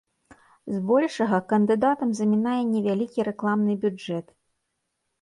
Збольшага, кандыдатам замінае невялікі рэкламны бюджэт.